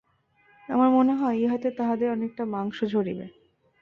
আমার মনে হয় ইহাতে তাহাদের অনেকটা মাংস ঝরিবে।